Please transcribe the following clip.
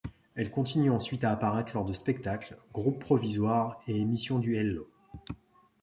Elle continue ensuite à apparaître lors de spectacles, groupes provisoires et émissions du Hello!